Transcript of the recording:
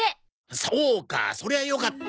そうかそりゃよかった。